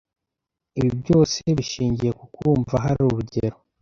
ibi byose bishingiye ku kumva hari urugero